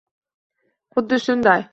Huddi shunday.